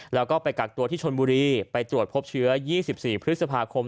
แล้วก็ไปกักตัวที่ชนบุรีไปตรวจพบเชื้อ๒๔พฤษภาคม